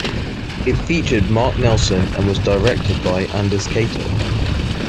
It featured Mark Nelson, and was directed by Anders Cato.